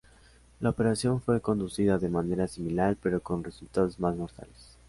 La operación fue conducida de manera similar pero con resultados más mortales.